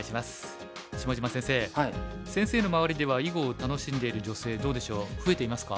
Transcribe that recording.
下島先生先生の周りでは囲碁を楽しんでいる女性どうでしょう増えていますか？